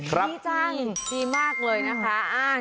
ดีจังดีมากเลยนะคะ